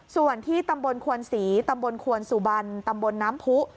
ส่วนที่ตำบลควนศรีตำบลควนสุบันตำบลน้ำผู้